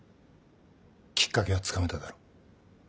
きっかけはつかめただろ。